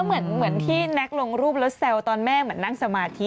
เหมือนที่แน็กลงรูปแล้วแซวตอนแม่เหมือนนั่งสมาธิ